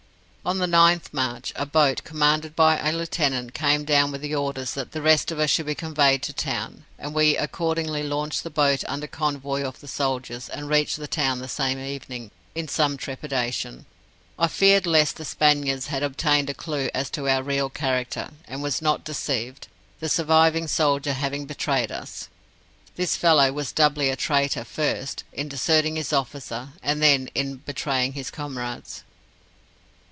On the 9th March, a boat, commanded by a lieutenant, came down with orders that the rest of us should be conveyed to town; and we accordingly launched the boat under convoy of the soldiers, and reached the town the same evening, in some trepidation. I feared lest the Spaniards had obtained a clue as to our real character, and was not deceived the surviving soldier having betrayed us. This fellow was thus doubly a traitor first, in deserting his officer, and then in betraying his comrades.